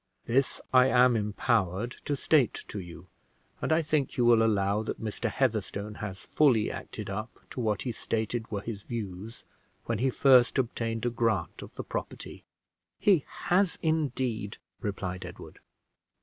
This I am empowered to state to you, and I think you will allow that Mr. Heatherstone has fully acted up to what he stated were his views when he first obtained a grant of the property." "He has, indeed," replied Edward.